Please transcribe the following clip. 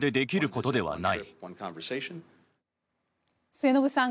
末延さん